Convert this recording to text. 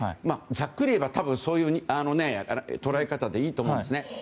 ざっくり言えばそういう捉え方でいいと思うんですね。